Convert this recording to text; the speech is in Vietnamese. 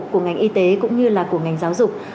của ngành y tế cũng như là của ngành giáo dục